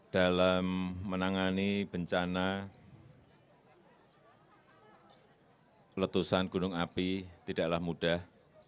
dalam menangani bencana letusan gunung api tidaklah mudah